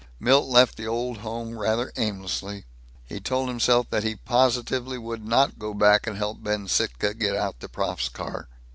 Milt left the Old Home rather aimlessly. He told himself that he positively would not go back and help Ben Sittka get out the prof's car.